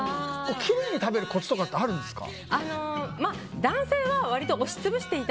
きれいに食べるコツとかあるんですか？